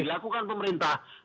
yang dilakukan pemerintah